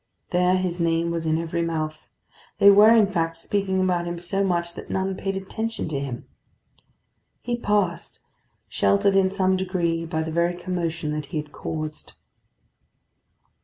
There his name was in every mouth. They were, in fact, speaking about him so much that none paid attention to him. He passed, sheltered in some degree by the very commotion that he had caused.